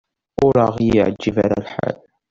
Ur aɣ-yeɛjib ara lḥal.